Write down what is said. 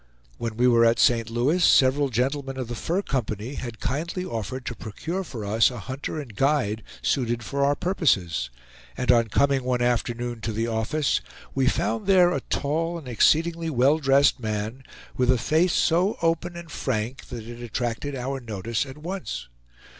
When we were at St. Louis, several gentlemen of the Fur Company had kindly offered to procure for us a hunter and guide suited for our purposes, and on coming one afternoon to the office, we found there a tall and exceedingly well dressed man with a face so open and frank that it attracted our notice at once.